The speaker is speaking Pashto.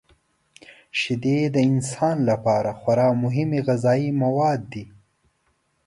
شیدې د انسان لپاره خورا مهمې غذايي مواد دي.